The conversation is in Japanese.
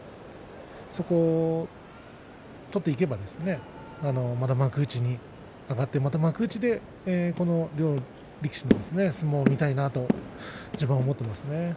そこをちょっといけばまた幕内に上がって、幕内で両力士の相撲、見たいなと自分は思っています。